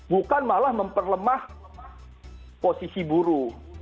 bukan malah memperlemah posisi buruh